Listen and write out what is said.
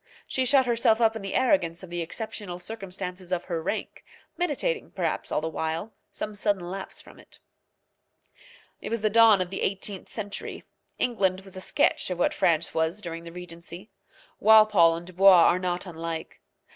She shut herself up in the arrogance of the exceptional circumstances of her rank, meditating, perhaps, all the while, some sudden lapse from it. It was the dawn of the eighteenth century. England was a sketch of what France was during the regency. Walpole and Dubois are not unlike.